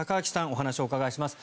お話をお伺いします。